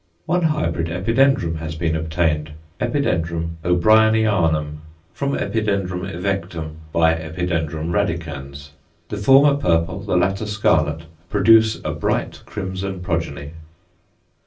One hybrid Epidendrum has been obtained Epi. O'Brienianum from Epi. evectum × Epi. radicans; the former purple, the latter scarlet, produce ×a bright crimson progeny.